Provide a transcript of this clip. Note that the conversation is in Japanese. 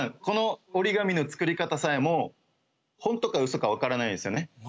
この折り紙の作り方さえも本当かうそか分からないですよね。